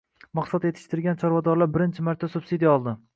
Mahsulot yetishtirgan chorvadorlar birinchi marta subsidiya oldi